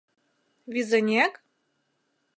— Визынек?